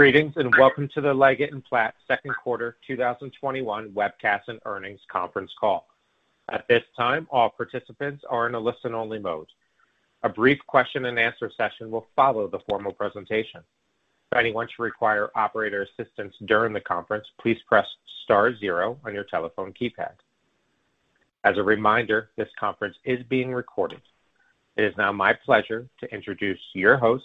Greetings, and welcome to the Leggett & Platt Q2 2021 Webcast and Earnings Conference Call. At this time our participants are in a listen-only mode. A brief question and answer session will follow the formal presentation. If anyone require operator's assistance during the conference, please press star zero on your telephone keypard. As a reminder, this conference is being recorded. It is now my pleasure to introduce your host,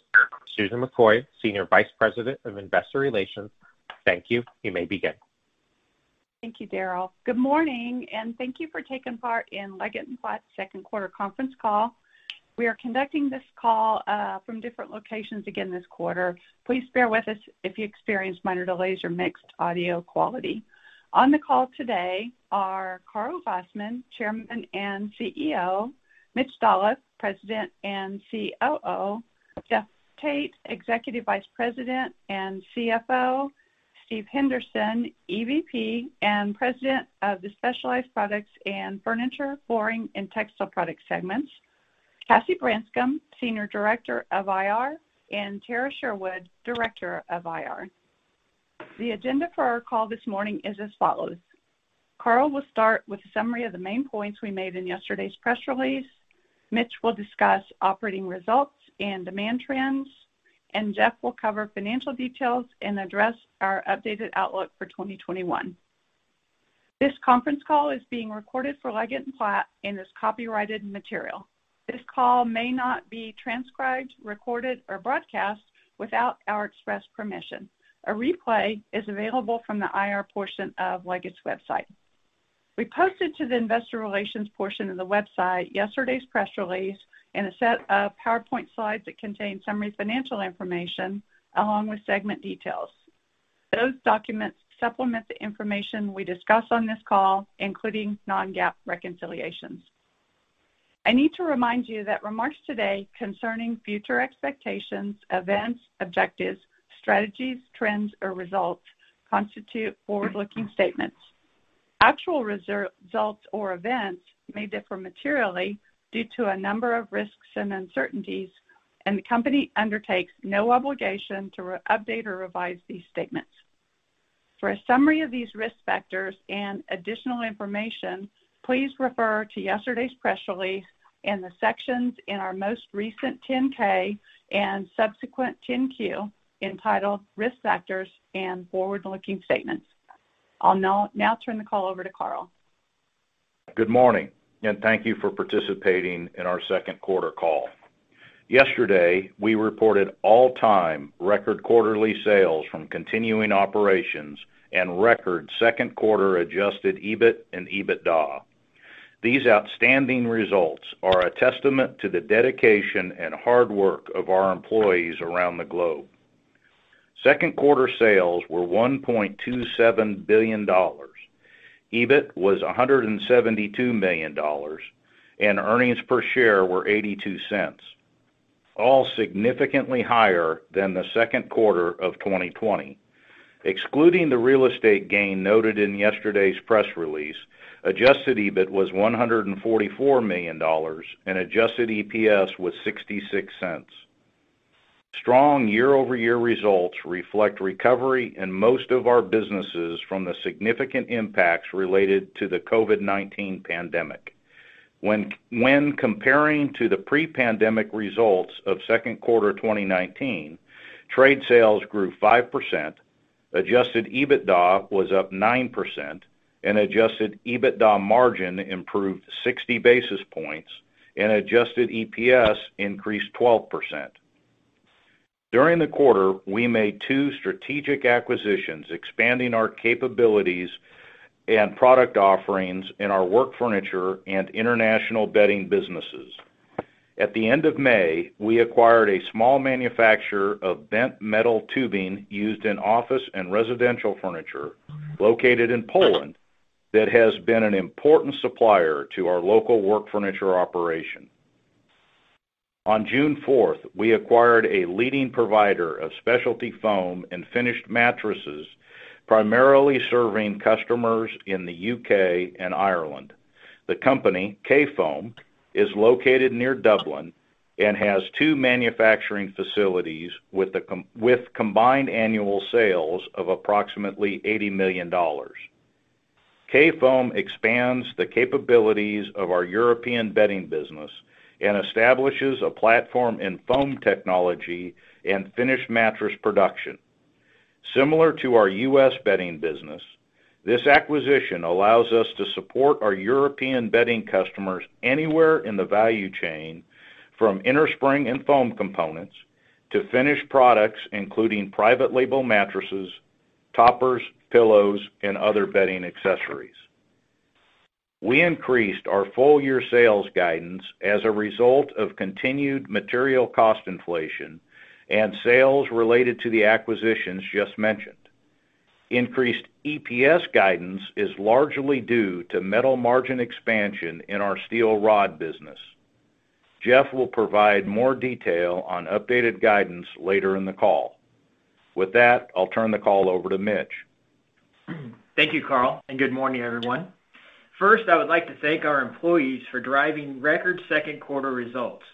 Susan McCoy, Senior Vice President of Investor Relations. Thank you. You may begin. Thank you, Daryl. Good morning, and thank you for taking part in Leggett & Platt's Q2 Conference Call. We are conducting this call from different locations again this quarter. Please bear with us if you experience minor delays or mixed audio quality. On the call today are Karl Glassman, Chairman and CEO, Mitch Dolloff, President and COO, Jeff Tate, Executive Vice President and CFO, Steve Henderson, EVP and President of the Specialized Products and Furniture, Flooring & Textile Products segments, Cassie Branscum, Senior Director of IR, and Tarah Sherwood, Director of IR. The agenda for our call this morning is as follows. Karl will start with a summary of the main points we made in yesterday's press release. Mitch will discuss operating results and demand trends, and Jeff will cover financial details and address our updated outlook for 2021. This conference call is being recorded for Leggett & Platt and is copyrighted material. This call may not be transcribed, recorded, or broadcast without our express permission. A replay is available from the IR portion of Leggett's website. We posted to the investor relations portion of the website yesterday's press release and a set of PowerPoint slides that contain summary financial information along with segment details. Those documents supplement the information we discuss on this call, including non-GAAP reconciliations. I need to remind you that remarks today concerning future expectations, events, objectives, strategies, trends, or results constitute forward-looking statements. Actual results or events may differ materially due to a number of risks and uncertainties, and the company undertakes no obligation to update or revise these statements. For a summary of these risk factors and additional information, please refer to yesterday's press release and the sections in our most recent 10-K and subsequent 10-Q entitled Risk Factors and Forward-Looking Statements. I'll now turn the call over to Karl. Good morning, and thank you for participating in our Q2 call. Yesterday, we reported all-time record quarterly sales from continuing operations and record Q2 adjusted EBIT and EBITDA. These outstanding results are a testament to the dedication and hard work of our employees around the globe. Q2 sales were $1.27 billion. EBIT was $172 million, and earnings per share were $0.82, all significantly higher than the Q2 of 2020. Excluding the real estate gain noted in yesterday's press release, adjusted EBIT was $144 million, and adjusted EPS was $0.66. Strong year-over-year results reflect recovery in most of our businesses from the significant impacts related to the COVID-19 pandemic. When comparing to the pre-pandemic results of Q2 2019, trade sales grew 5%, adjusted EBITDA was up 9%, and adjusted EBITDA margin improved 60 basis points, and adjusted EPS increased 12%. During the quarter, we made two strategic acquisitions, expanding our capabilities and product offerings in our work furniture and International Bedding businesses. At the end of May, we acquired a small manufacturer of bent metal tubing used in office and residential furniture located in Poland that has been an important supplier to our local work furniture operation. On June 4th, we acquired a leading provider of specialty foam and finished mattresses, primarily serving customers in the U.K. and Ireland. The company, Kayfoam, is located near Dublin and has two manufacturing facilities with combined annual sales of approximately $80 million. Kayfoam expands the capabilities of our European Bedding business and establishes a platform in foam technology and finished mattress production. Similar to our U.S. Bedding business, this acquisition allows us to support our European Bedding customers anywhere in the value chain, from innerspring and foam components to finished products, including private label mattresses, toppers, pillows, and other bedding accessories. We increased our full-year sales guidance as a result of continued material cost inflation and sales related to the acquisitions just mentioned. Increased EPS guidance is largely due to metal margin expansion in our Steel Rod business. Jeff will provide more detail on updated guidance later in the call. With that, I'll turn the call over to Mitch. Thank you, Karl, and good morning, everyone. First, I would like to thank our employees for driving record Q2 results.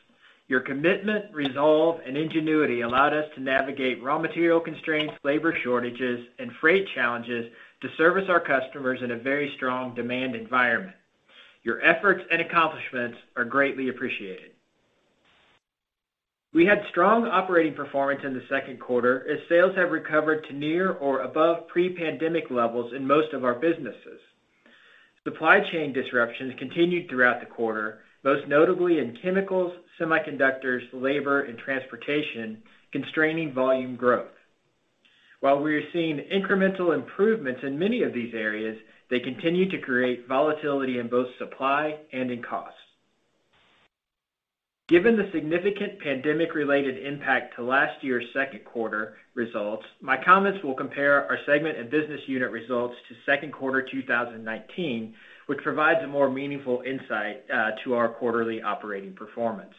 Your commitment, resolve, and ingenuity allowed us to navigate raw material constraints, labor shortages, and freight challenges to service our customers in a very strong demand environment. Your efforts and accomplishments are greatly appreciated. We had strong operating performance in the Q2 as sales have recovered to near or above pre-pandemic levels in most of our businesses. Supply chain disruptions continued throughout the quarter, most notably in chemicals, semiconductors, labor, and transportation, constraining volume growth. While we are seeing incremental improvements in many of these areas, they continue to create volatility in both supply and in costs. Given the significant pandemic-related impact to last year's Q2 results, my comments will compare our segment and business unit results to Q2 2019, which provides a more meaningful insight to our quarterly operating performance.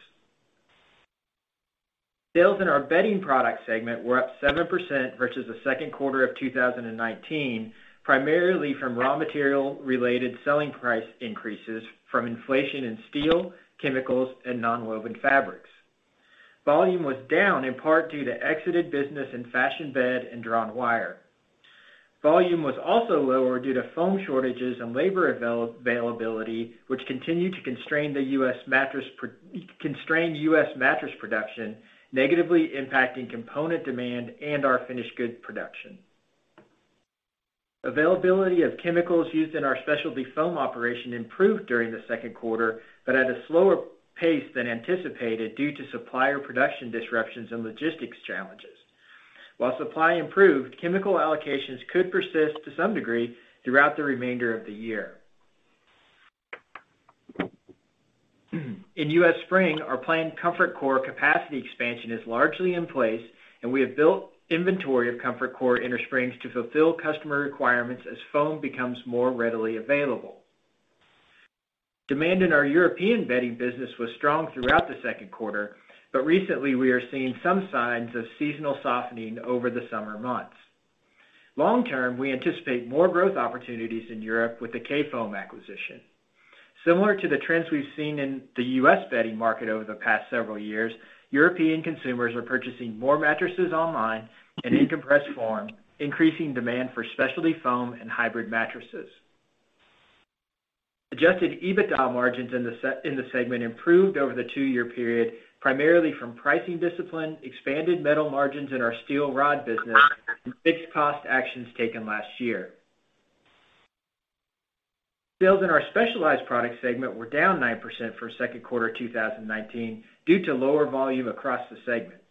Sales in our Bedding Products segment were up 7% versus the Q2 of 2019, primarily from raw material-related selling price increases from inflation in steel, chemicals, and nonwoven fabrics. Volume was down in part due to exited business in Fashion Bed and Drawn Wire. Volume was also lower due to foam shortages and labor availability, which continued to constrain U.S. mattress production, negatively impacting component demand and our finished goods production. Availability of chemicals used in our specialty foam operation improved during the Q2, but at a slower pace than anticipated due to supplier production disruptions and logistics challenges. While supply improved, chemical allocations could persist to some degree throughout the remainder of the year. In U.S. Spring, our planned ComfortCore capacity expansion is largely in place, and we have built inventory of ComfortCore innersprings to fulfill customer requirements as foam becomes more readily available. Demand in our European Bedding business was strong throughout the Q2, but recently we are seeing some signs of seasonal softening over the summer months. Long term, we anticipate more growth opportunities in Europe with the Kayfoam acquisition. Similar to the trends we've seen in the U.S. Bedding market over the past several years, European consumers are purchasing more mattresses online and in compressed form, increasing demand for specialty foam and hybrid mattresses. Adjusted EBITDA margins in the segment improved over the two-year period, primarily from pricing discipline, expanded metal margins in our Steel Rod business, and fixed cost actions taken last year. Sales in our Specialized Products segment were down 9% for Q2 2019 due to lower volume across the segment.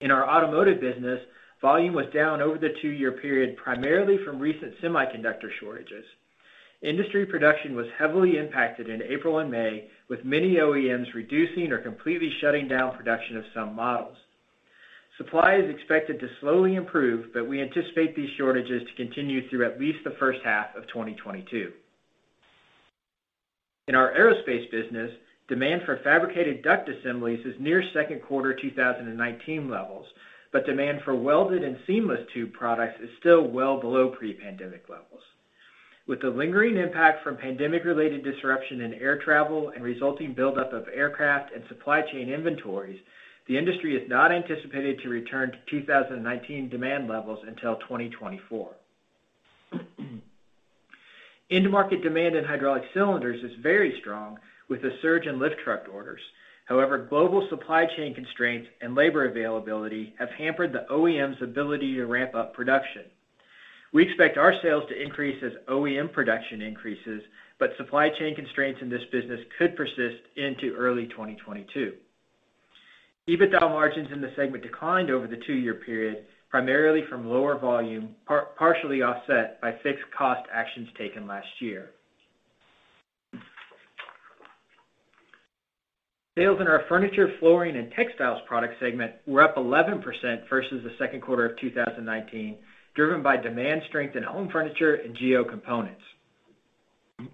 In our automotive business, volume was down over the two-year period, primarily from recent semiconductor shortages. Industry production was heavily impacted in April and May, with many OEMs reducing or completely shutting down production of some models. Supply is expected to slowly improve, but we anticipate these shortages to continue through at least the first half of 2022. In our aerospace business, demand for fabricated duct assemblies is near Q2 2019 levels, but demand for welded and seamless tube products is still well below pre-pandemic levels. With the lingering impact from pandemic-related disruption in air travel and resulting buildup of aircraft and supply chain inventories, the industry is not anticipated to return to 2019 demand levels until 2024. End market demand in Hydraulic Cylinders is very strong with the surge in lift truck orders. However, global supply chain constraints and labor availability have hampered the OEM's ability to ramp up production. We expect our sales to increase as OEM production increases, but supply chain constraints in this business could persist into early 2022. EBITDA margins in the segment declined over the two-year period, primarily from lower volume, partially offset by fixed cost actions taken last year. Sales in our Furniture, Flooring & Textile Products segment were up 11% versus the Q2 of 2019, driven by demand strength in home furniture and geo components.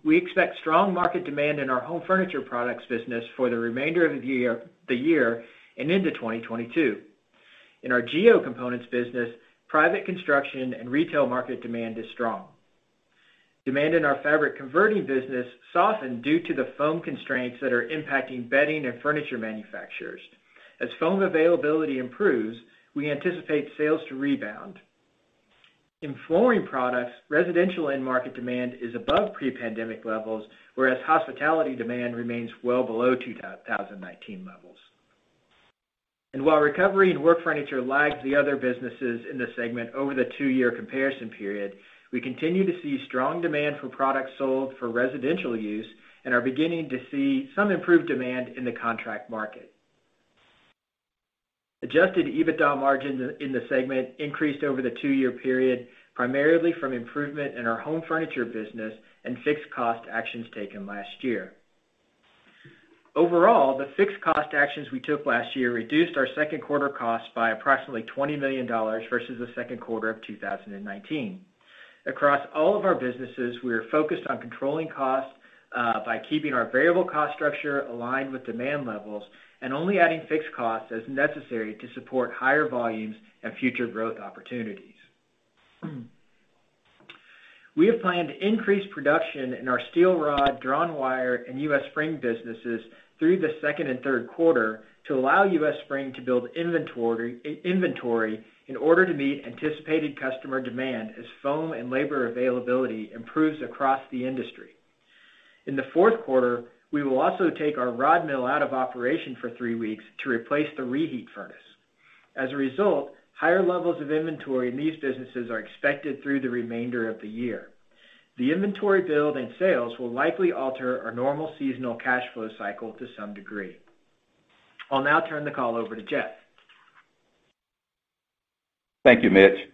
We expect strong market demand in our home furniture products business for the remainder of the year and into 2022. In our geo components business, private construction and retail market demand is strong. Demand in our fabric converting business softened due to the foam constraints that are impacting bedding and furniture manufacturers. As foam availability improves, we anticipate sales to rebound. In flooring products, residential end market demand is above pre-pandemic levels, whereas hospitality demand remains well below 2019 levels. While recovery in work furniture lagged the other businesses in the segment over the two-year comparison period, we continue to see strong demand for products sold for residential use and are beginning to see some improved demand in the contract market. Adjusted EBITDA margins in the segment increased over the two-year period, primarily from improvement in our home furniture business and fixed cost actions taken last year. Overall, the fixed cost actions we took last year reduced our Q2 costs by approximately $20 million versus the Q2 of 2019. Across all of our businesses, we are focused on controlling costs by keeping our variable cost structure aligned with demand levels, and only adding fixed costs as necessary to support higher volumes and future growth opportunities. We have planned increased production in our Steel Rod, Drawn Wire, and U.S. Spring businesses through the second and Q3 to allow U.S. Spring to build inventory in order to meet anticipated customer demand as foam and labor availability improves across the industry. In the Q4, we will also take our rod mill out of operation for three weeks to replace the reheat furnace. As a result, higher levels of inventory in these businesses are expected through the remainder of the year. The inventory build and sales will likely alter our normal seasonal cash flow cycle to some degree. I'll now turn the call over to Jeff. Thank you, Mitch,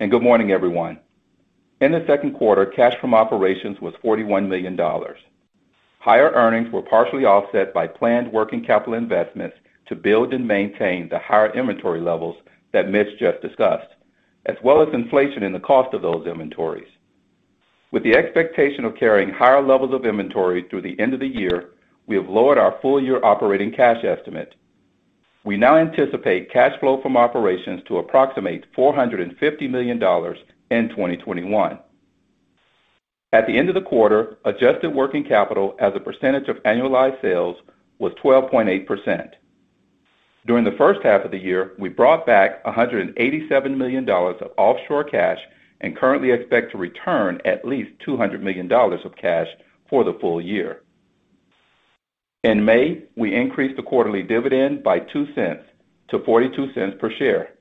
and good morning, everyone. In the Q2, cash from operations was $41 million. Higher earnings were partially offset by planned working capital investments to build and maintain the higher inventory levels that Mitch just discussed, as well as inflation in the cost of those inventories. With the expectation of carrying higher levels of inventory through the end of the year, we have lowered our full-year operating cash estimate. We now anticipate cash flow from operations to approximate $450 million in 2021. At the end of the quarter, adjusted working capital as a percentage of annualized sales was 12.8%. During the first half of the year, we brought back $187 million of offshore cash and currently expect to return at least $200 million of cash for the full year. In May, we increased the quarterly dividend by $0.02 to $0.42 per share.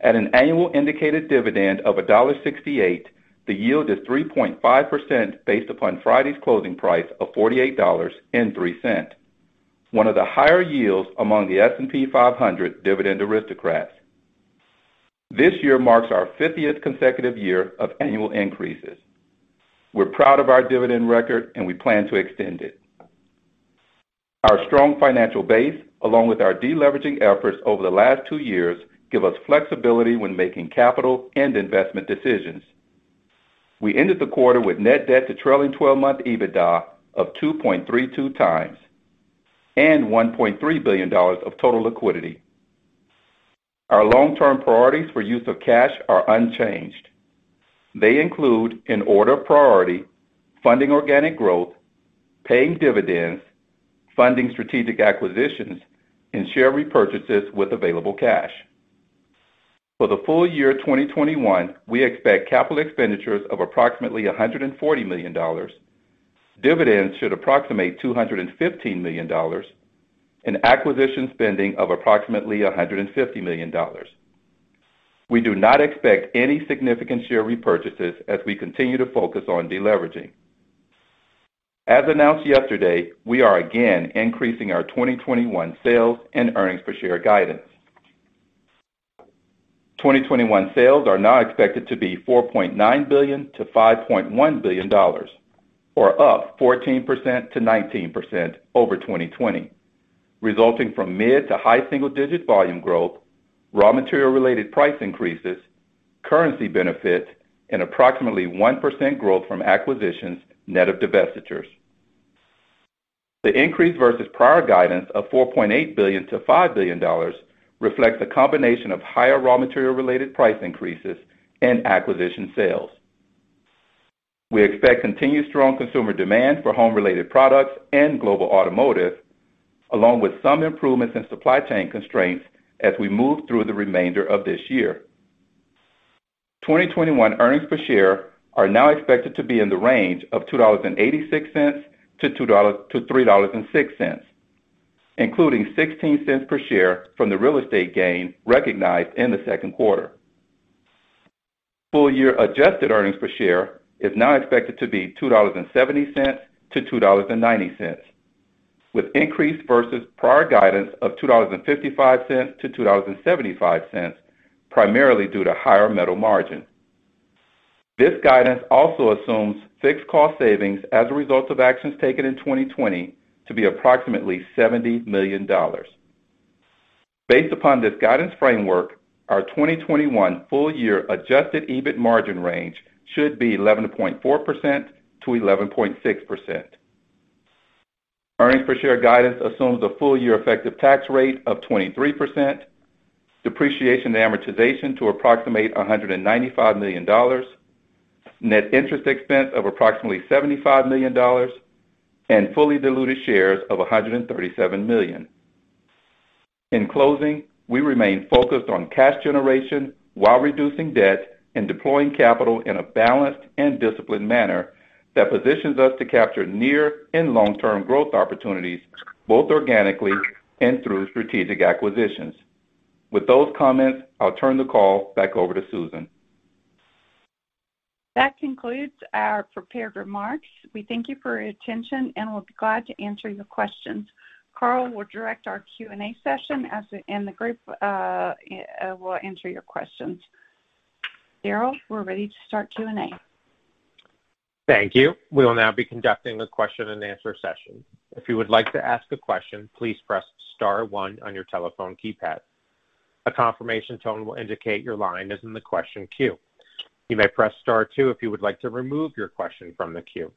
At an annual indicated dividend of $1.68, the yield is 3.5% based upon Friday's closing price of $48.03, one of the higher yields among the S&P 500 Dividend Aristocrats. This year marks our 50th consecutive year of annual increases. We're proud of our dividend record, and we plan to extend it. Our strong financial base, along with our deleveraging efforts over the last two years, give us flexibility when making capital and investment decisions. We ended the quarter with net debt to trailing 12-month EBITDA of 2.32x and $1.3 billion of total liquidity. Our long-term priorities for use of cash are unchanged. They include, in order of priority, funding organic growth, paying dividends, funding strategic acquisitions, and share repurchases with available cash. For the full year 2021, we expect capital expenditures of approximately $140 million. Dividends should approximate $215 million. Acquisition spending of approximately $150 million. We do not expect any significant share repurchases as we continue to focus on deleveraging. As announced yesterday, we are again increasing our 2021 sales and earnings per share guidance. 2021 sales are now expected to be $4.9 billion-$5.1 billion, or up 14%-19% over 2020, resulting from mid to high single-digit volume growth, raw material related price increases, currency benefit, and approximately 1% growth from acquisitions, net of divestitures. The increase versus prior guidance of $4.8 billion-$5 billion reflects a combination of higher raw material related price increases and acquisition sales. We expect continued strong consumer demand for home-related products and global automotive, along with some improvements in supply chain constraints as we move through the remainder of this year. 2021 earnings per share are now expected to be in the range of $2.86-$3.06, including $0.16 per share from the real estate gain recognized in the Q2. Full-year adjusted earnings per share is now expected to be $2.70-$2.90, with increase versus prior guidance of $2.55-$2.75, primarily due to higher metal margin. This guidance also assumes fixed cost savings as a result of actions taken in 2020 to be approximately $70 million. Based upon this guidance framework, our 2021 full-year adjusted EBIT margin range should be 11.4%-11.6%. Earnings per share guidance assumes a full-year effective tax rate of 23%, depreciation to amortization to approximate $195 million, net interest expense of approximately $75 million, and fully diluted shares of 137 million. In closing, we remain focused on cash generation while reducing debt and deploying capital in a balanced and disciplined manner that positions us to capture near and long-term growth opportunities, both organically and through strategic acquisitions. With those comments, I'll turn the call back over to Susan. That concludes our prepared remarks. We thank you for your attention, and will be glad to answer your questions. Karl will direct our Q&A session, and the group will answer your questions. Daryl, we're ready to start Q&A. Thank you. We will now be conducting a question and answer session. If you would like to ask a question, please press star one on your telephone keypad. A confirmation tone will indicate your line is in the question queue. You may press star two if you would like to remove your question from the queue.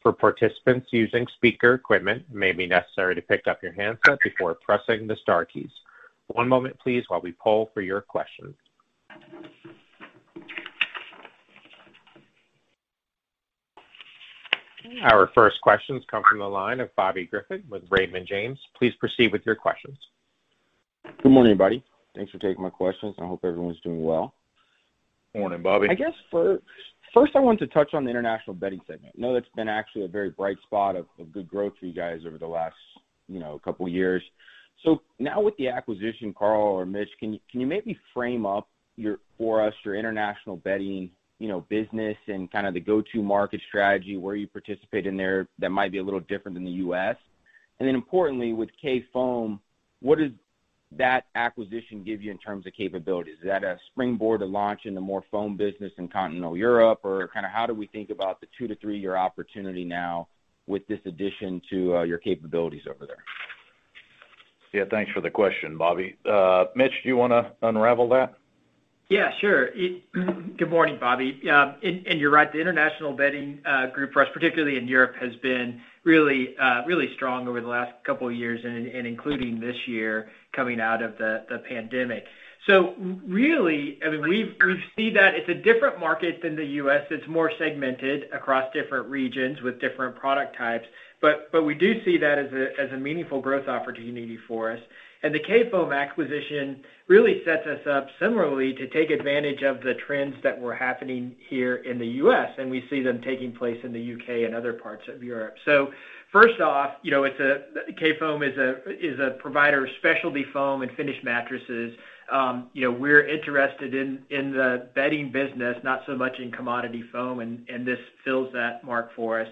For participants using speaker equipment, it may be necessary to pick up your handset before pressing the star keys. One moment please, while we poll for your questions. Our first questions come from the line of Bobby Griffin with Raymond James. Please proceed with your questions. Good morning, everybody. Thanks for taking my questions. I hope everyone's doing well. Morning, Bobby. I guess for first, I wanted to touch on the International Bedding segment. I know that's been actually a very bright spot of good growth for you guys over the last couple years. Now with the acquisition, Karl or Mitch, can you maybe frame up for us your International Bedding business and kind of the go-to market strategy where you participate in there that might be a little different than the U.S.? Then importantly with Kayfoam, what does that acquisition give you in terms of capabilities? Is that a springboard to launch into more foam business in continental Europe? Kind of how do we think about the two to three-year opportunity now with this addition to your capabilities over there? Yeah. Thanks for the question, Bobby. Mitch, do you want to unravel that? Yeah, sure. Good morning, Bobby. You're right, the International Bedding group for us, particularly in Europe, has been really strong over the last couple of years and including this year coming out of the pandemic. Really, we see that it's a different market than the U.S. It's more segmented across different regions with different product types. We do see that as a meaningful growth opportunity for us. The Kayfoam acquisition really sets us up similarly to take advantage of the trends that were happening here in the U.S., and we see them taking place in the U.K. and other parts of Europe. First off, Kayfoam is a provider of specialty foam and finished mattresses. We're interested in the bedding business, not so much in commodity foam, and this fills that mark for us.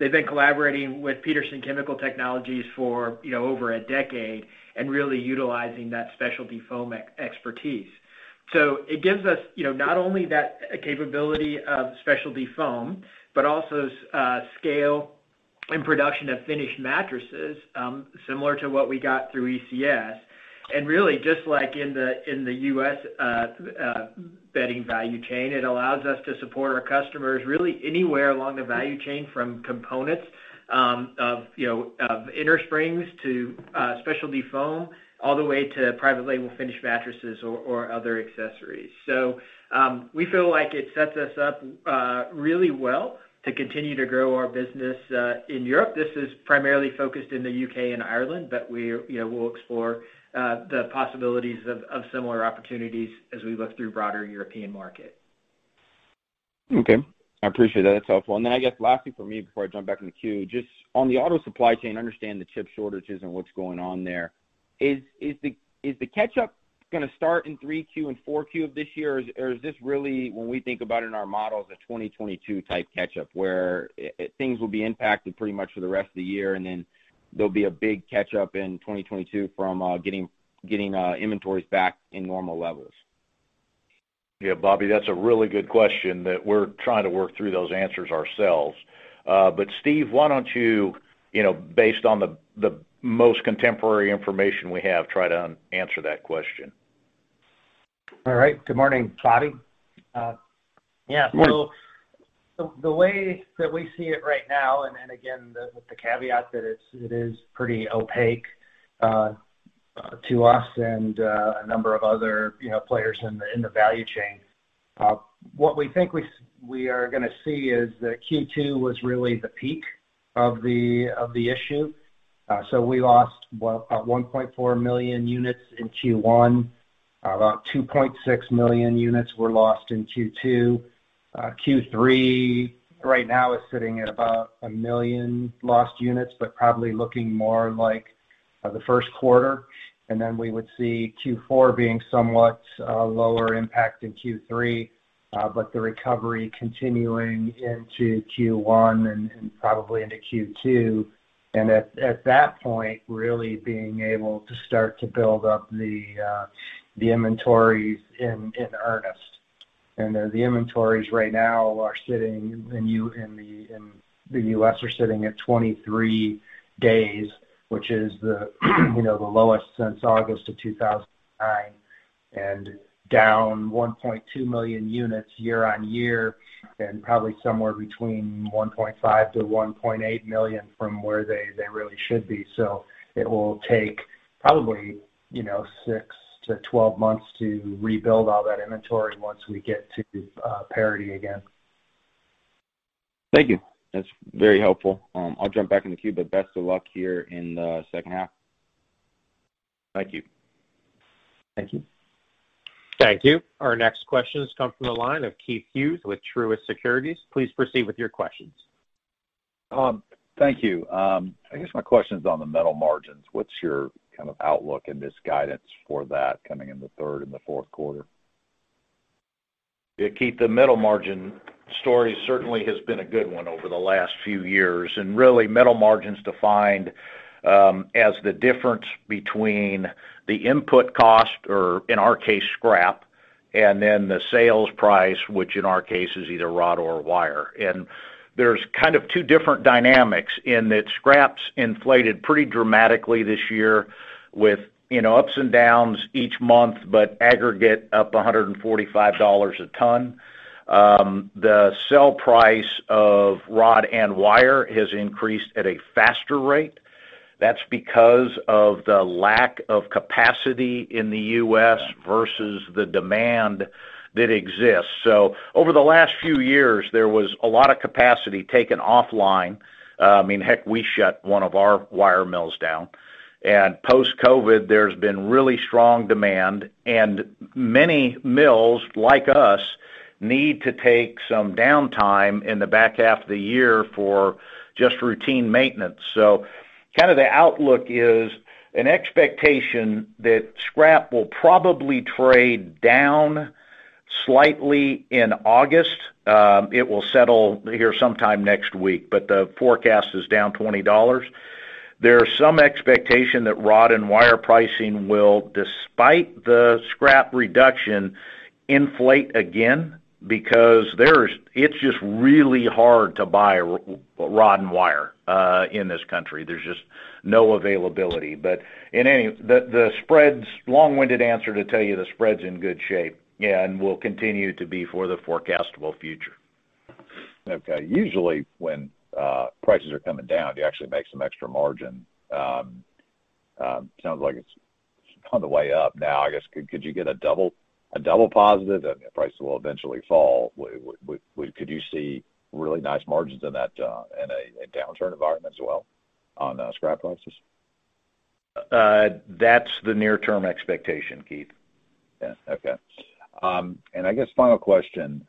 They've been collaborating with Peterson Chemical Technology for over a decade and really utilizing that specialty foam expertise. It gives us not only that capability of specialty foam, but also scale and production of finished mattresses, similar to what we got through ECS. Really just like in the U.S. Bedding value chain, it allows us to support our customers really anywhere along the value chain, from components of innersprings to specialty foam, all the way to private label finished mattresses or other accessories. We feel like it sets us up really well to continue to grow our business in Europe. This is primarily focused in the U.K. and Ireland, but we'll explore the possibilities of similar opportunities as we look through broader European market. Okay. I appreciate that. That's helpful. I guess lastly from me before I jump back in the queue, just on the auto supply chain, I understand the chip shortages and what's going on there. Is the catch-up going to start in Q3 and Q4 of this year? Or is this really, when we think about it in our models, a 2022 type catch-up where things will be impacted pretty much for the rest of the year, and then there'll be a big catch-up in 2022 from getting inventories back in normal levels? Yeah, Bobby, that's a really good question that we're trying to work through those answers ourselves. Steve, why don't you, based on the most contemporary information we have, try to answer that question? All right. Good morning, Bobby. Morning. Yeah. The way that we see it right now, and again, with the caveat that it is pretty opaque to us and a number of other players in the value chain. What we think we are going to see is that Q2 was really the peak of the issue. We lost about 1.4 million units in Q1, about 2.6 million units were lost in Q2. Q3 right now is sitting at about a million lost units, but probably looking more like the Q1. Then we would see Q4 being somewhat lower impact than Q3, but the recovery continuing into Q1 and probably into Q2. At that point, really being able to start to build up the inventories in earnest. The inventories right now are sitting in the U.S. are sitting at 23 days, which is the lowest since August of 2009, and down 1.2 million units year-on-year, and probably somewhere between 1.5 to 1.8 million from where they really should be. It will take probably six to 12 months to rebuild all that inventory once we get to parity again. Thank you. That's very helpful. I'll jump back in the queue. Best of luck here in the second half. Thank you. Thank you. Thank you. Our next questions come from the line of Keith Hughes with Truist Securities. Please proceed with your questions. Thank you. I guess my question is on the metal margins. What's your kind of outlook and this guidance for that coming in the Q3 and the Q4? Yeah, Keith, the metal margin story certainly has been a good one over the last few years. Really metal margin's defined as the difference between the input cost, or in our case, scrap, and then the sales price, which in our case is either rod or wire. There's kind of two different dynamics in that scrap's inflated pretty dramatically this year with ups and downs each month, but aggregate up $145 a ton. The sell price of rod and wire has increased at a faster rate. That's because of the lack of capacity in the U.S. versus the demand that exists. Over the last few years, there was a lot of capacity taken offline. Heck, we shut one of our wire mills down. Post-COVID-19, there's been really strong demand, and many mills like us need to take some downtime in the back half of the year for just routine maintenance. Kind of the outlook is an expectation that scrap will probably trade down slightly in August. It will settle here sometime next week, but the forecast is down $20. There's some expectation that rod and wire pricing will, despite the scrap reduction, inflate again because it's just really hard to buy rod and wire in this country. There's just no availability. The spreads, long-winded answer to tell you the spread's in good shape. Will continue to be for the forecastable future. Okay. Usually when prices are coming down, you actually make some extra margin. Sounds like it's on the way up now. I guess, could you get a double positive? Prices will eventually fall. Could you see really nice margins in a downturn environment as well on scrap prices? That's the near-term expectation, Keith. Yeah. Okay. I guess final question,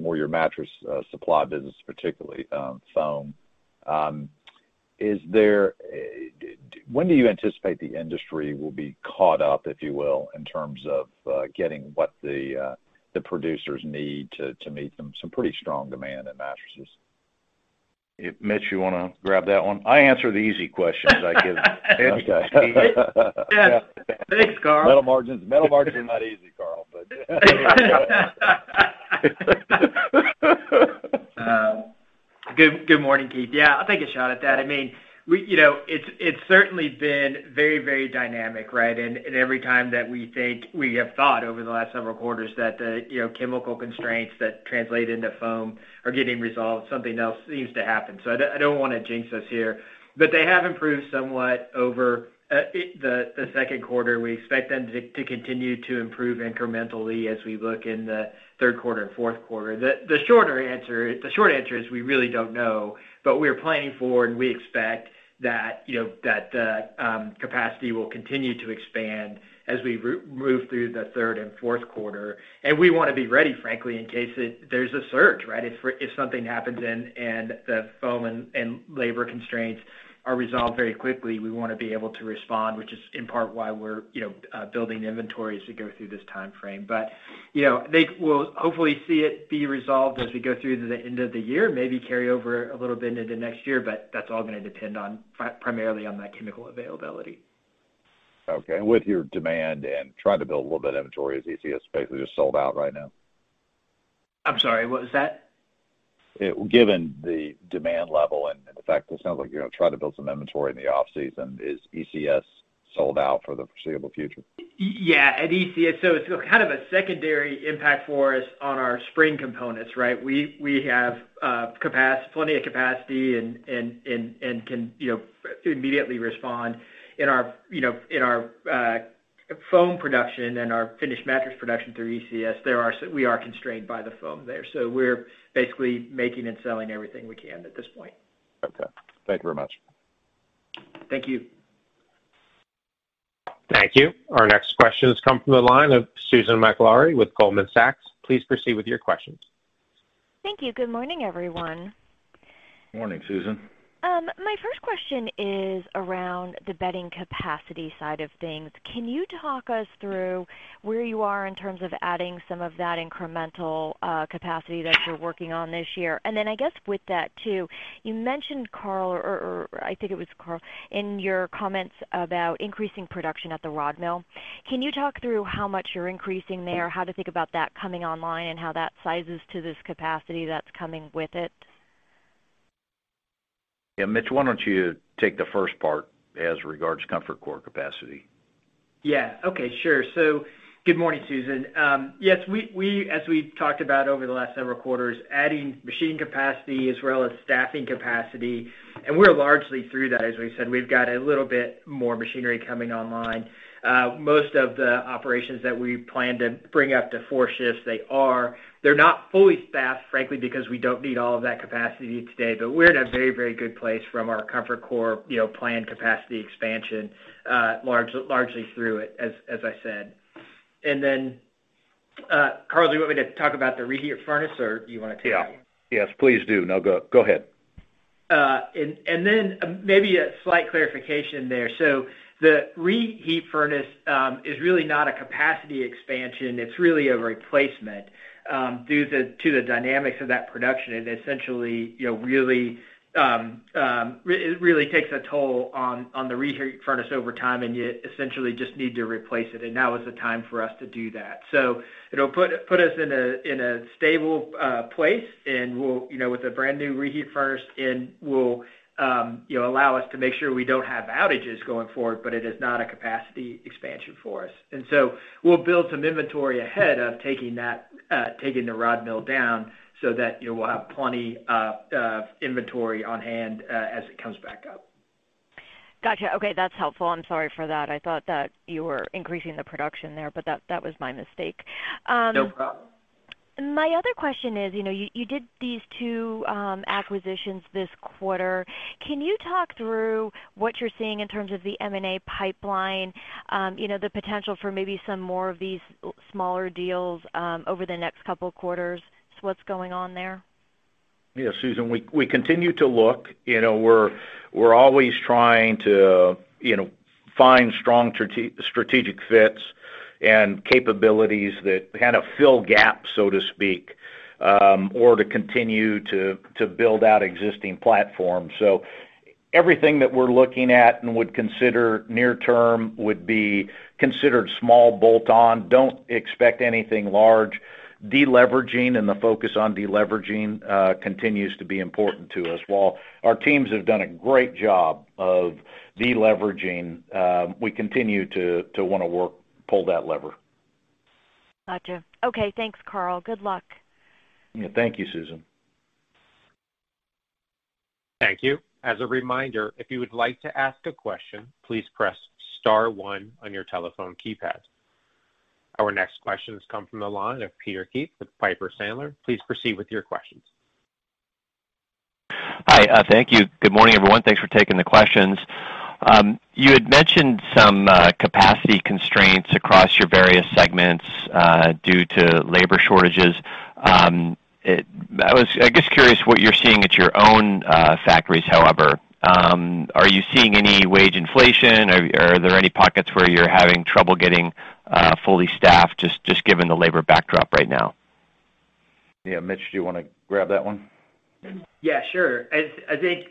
more your mattress supply business, particularly foam. When do you anticipate the industry will be caught up, if you will, in terms of getting what the producers need to meet some pretty strong demand in mattresses? Mitch, you want to grab that one? I answer the easy questions I get. Okay. Yeah. Thanks, Karl. Metal margins are not easy, Karl, but. Good morning, Keith. Yeah, I'll take a shot at that. It's certainly been very, very dynamic, right? Every time that we think we have thought over the last several quarters that the chemical constraints that translate into foam are getting resolved, something else seems to happen. I don't want to jinx us here, but they have improved somewhat over the Q2. We expect them to continue to improve incrementally as we look in the Q3 and Q4. The short answer is we really don't know, but we're planning for and we expect that the capacity will continue to expand as we move through the Q3 and Q4, and we want to be ready, frankly, in case there's a surge, right? If something happens and the foam and labor constraints are resolved very quickly, we want to be able to respond, which is in part why we're building inventories to go through this timeframe. We'll hopefully see it be resolved as we go through to the end of the year, maybe carry over a little bit into next year, but that's all going to depend primarily on that chemical availability. Okay. With your demand and trying to build a little bit of inventory as ECS basically just sold out right now? I'm sorry, what was that? Given the demand level and the fact it sounds like you're going to try to build some inventory in the off-season, is ECS sold out for the foreseeable future? Yeah, at ECS, so it's kind of a secondary impact for us on our spring components, right? We have plenty of capacity and can immediately respond in our foam production and our finished mattress production through ECS. We are constrained by the foam there. We're basically making and selling everything we can at this point. Okay. Thank you very much. Thank you. Thank you. Our next question has come from the line of Susan Maklari with Goldman Sachs. Please proceed with your questions. Thank you. Good morning, everyone. Morning, Susan. My first question is around the bedding capacity side of things. Can you talk us through where you are in terms of adding some of that incremental capacity that you're working on this year? Then I guess with that, too, you mentioned, Karl, or I think it was Karl, in your comments about increasing production at the rod mill. Can you talk through how much you're increasing there, how to think about that coming online, and how that sizes to this capacity that's coming with it? Mitch, why don't you take the first part as regards ComfortCore capacity? Yeah. Okay. Sure. Good morning, Susan. Yes, as we talked about over the last several quarters, adding machine capacity as well as staffing capacity, and we're largely through that, as we said. We've got a little bit more machinery coming online. Most of the operations that we plan to bring up to four shifts, they are. They're not fully staffed, frankly, because we don't need all of that capacity today. We're in a very, very good place from our ComfortCore planned capacity expansion, largely through it, as I said. Karl, do you want me to talk about the reheat furnace, or do you want to take that one? Yeah. Yes, please do. No, go ahead. Then maybe a slight clarification there. The reheat furnace is really not a capacity expansion. It's really a replacement. Due to the dynamics of that production, it essentially really takes a toll on the reheat furnace over time, and you essentially just need to replace it, and now is the time for us to do that. It'll put us in a stable place, and with a brand new reheat furnace, it will allow us to make sure we don't have outages going forward, but it is not a capacity expansion for us. We'll build some inventory ahead of taking the rod mill down so that we'll have plenty of inventory on hand as it comes back up. Got you. Okay, that's helpful. I'm sorry for that. I thought that you were increasing the production there, but that was my mistake. No problem. My other question is, you did these two acquisitions this quarter. Can you talk through what you're seeing in terms of the M&A pipeline, the potential for maybe some more of these smaller deals over the next couple of quarters? What's going on there? Susan, we continue to look. We're always trying to find strong strategic fits and capabilities that kind of fill gaps, so to speak, or to continue to build out existing platforms. Everything that we're looking at and would consider near term would be considered small bolt-on. Don't expect anything large. Deleveraging and the focus on deleveraging continues to be important to us. While our teams have done a great job of deleveraging, we continue to want to work, pull that lever. Got you. Okay, thanks, Karl. Good luck. Yeah. Thank you, Susan. Thank you. As a reminder, if you would like to ask a question, please press star one on your telephone keypad. Our next questions come from the line of Peter Keith with Piper Sandler. Please proceed with your questions. Hi. Thank you. Good morning, everyone. Thanks for taking the questions. You had mentioned some capacity constraints across your various segments due to labor shortages. I was, I guess, curious what you're seeing at your own factories, however. Are you seeing any wage inflation? Are there any pockets where you're having trouble getting fully staffed, just given the labor backdrop right now? Yeah. Mitch, do you want to grab that one? Yeah, sure. I think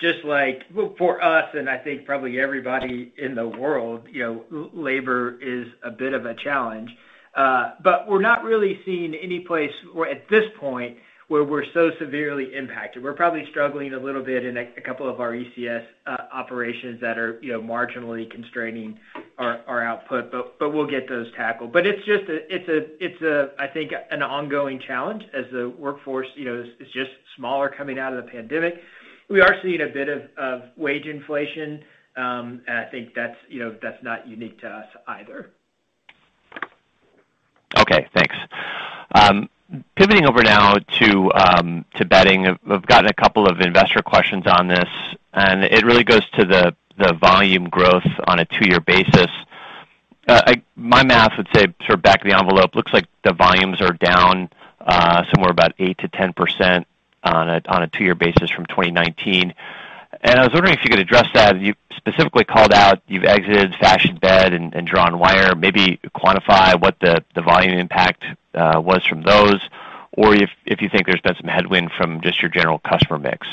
just like for us and I think probably everybody in the world, labor is a bit of a challenge. We're not really seeing any place where at this point where we're so severely impacted. We're probably struggling a little bit in a couple of our ECS operations that are marginally constraining our output, but we'll get those tackled. It's just, I think, an ongoing challenge as the workforce is just smaller coming out of the pandemic. We are seeing a bit of wage inflation. I think that's not unique to us either. Okay, thanks. Pivoting over now to Bedding. I've gotten a couple of investor questions on this. It really goes to the volume growth on a two-year basis. My math would say, sort of back of the envelope, looks like the volumes are down somewhere about 8%-10% on a two-year basis from 2019. I was wondering if you could address that. You specifically called out you've exited Fashion Bed and Drawn Wire. Maybe quantify what the volume impact was from those, or if you think there's been some headwind from just your general customer mix.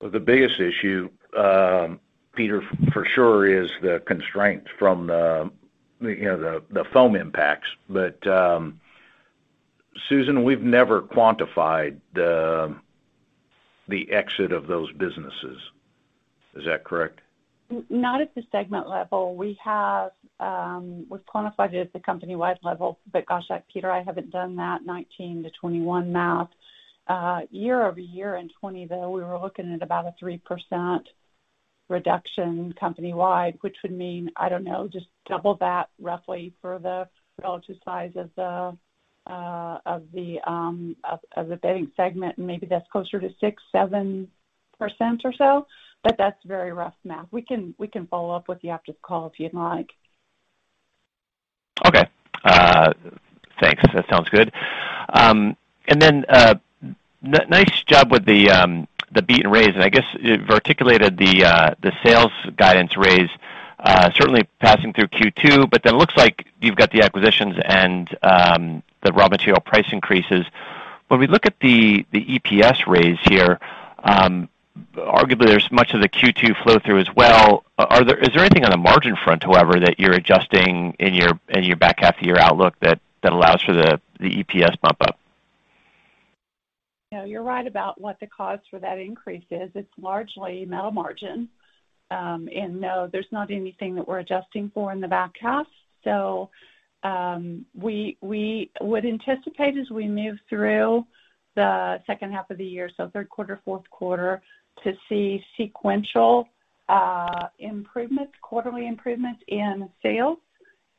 The biggest issue, Peter, for sure, is the constraints from the foam impacts. Susan, we've never quantified the exit of those businesses. Is that correct? Not at the segment level. We've quantified it at the company-wide level, but gosh, Peter, I haven't done that 2019 to 2021 math. Year-over-year in 2020, though, we were looking at about a 3% reduction company-wide, which would mean, I don't know, just double that roughly for the relative size of the Bedding segment, and maybe that's closer to 6%-7% or so. That's very rough math. We can follow up with you after the call if you'd like. Okay. Thanks. That sounds good. Nice job with the beat and raise, I guess it articulated the sales guidance raise certainly passing through Q2, it looks like you've got the acquisitions and the raw material price increases. When we look at the EPS raise here, arguably, there's much of the Q2 flow-through as well. Is there anything on the margin front, however, that you're adjusting in your back half of your outlook that allows for the EPS bump up? No, you're right about what the cause for that increase is. It's largely metal margin. No, there's not anything that we're adjusting for in the back half. We would anticipate as we move through the second half of the year, Q3, Q4, to see sequential improvements, quarterly improvements in sales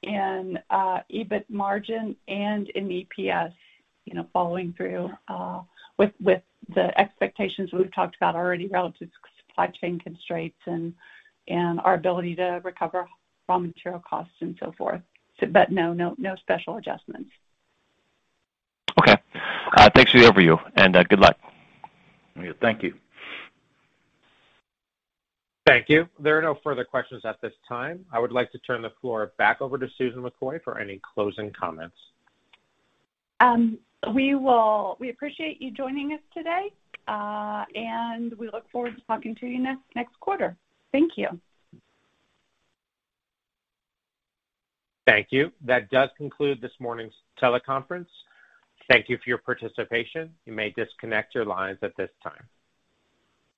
and EBIT margin and in EPS following through with the expectations we've talked about already relative to supply chain constraints and our ability to recover raw material costs and so forth. No special adjustments. Okay. Thanks for the overview, and good luck. Thank you. Thank you. There are no further questions at this time. I would like to turn the floor back over to Susan McCoy for any closing comments. We appreciate you joining us today, and we look forward to talking to you next quarter. Thank you. Thank you. That does conclude this morning's teleconference. Thank you for your participation. You may disconnect your lines at this time.